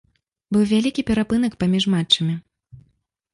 Быў вялікі перапынак паміж матчамі.